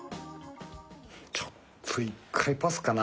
ちょっと１回パスかな。